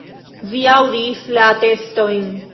Vi aŭdis la atestojn.